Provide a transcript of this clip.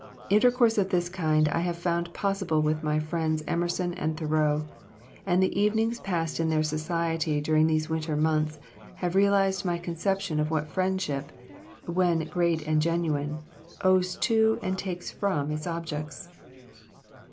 Intercourse of this kind I have found possible with my friends Emerson and Thoreau; and the evenings passed in their society during these winter months have realized my conception of what friendship, when great and genuine, owes to and takes from its objects."